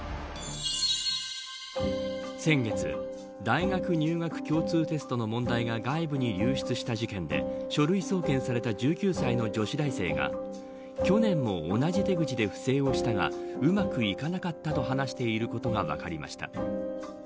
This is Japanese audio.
先月、大学入学共通テストの問題が外部に流出した事件で書類送検された１９歳の女子大生が去年も同じ手口で不正をしたがうまくいかなかったと話していることが分かりました。